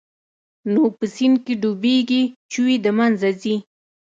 نو په سيند کښې ډوبېږي چوي د منځه ځي.